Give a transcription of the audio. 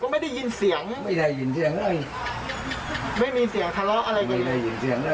ไม่ได้ยินเสียงได้เลย